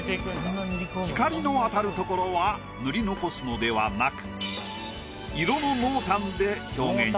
光の当たる所は塗り残すのではなく。